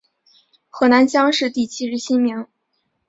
河南乡试第七十七名。